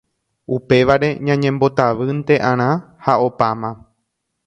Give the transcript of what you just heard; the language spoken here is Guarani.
upévare ñañembotavýnte'arã ha opáma